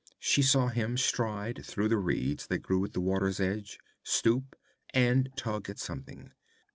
She saw him stride through the reeds that grew at the water's edge, stoop, and tug at something.